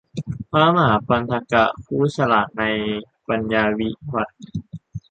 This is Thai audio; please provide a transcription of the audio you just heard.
พระมหาปันถกะ ผู้ฉลาดในปัญญาวิวัฎ